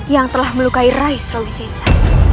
yang telah melukai raih surawis sesa